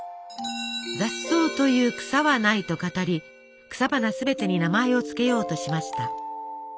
「雑草という草はない」と語り草花すべてに名前を付けようとしました。